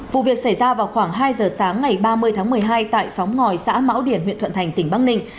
vụ việc xảy ra vào khoảng hai giờ sáng ngày ba mươi tháng một mươi hai tại sóng ngòi xã mão điển huyện thuận thành tỉnh băng ninh